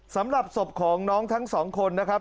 สำหรับศพของน้องทั้งสองคนนะครับ